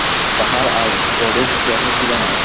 তাঁহার আর বড়ো কেহ ছিল না।